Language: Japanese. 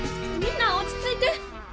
みんなおちついて！